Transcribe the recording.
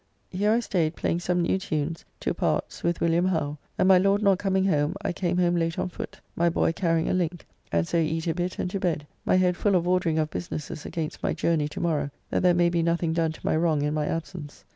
Here I staid playing some new tunes to parts with Wm. Howe, and, my Lord not coming home, I came home late on foot, my boy carrying a link, and so eat a bit and to bed, my head full of ordering of businesses against my journey to morrow, that there may be nothing done to my wrong in my absence.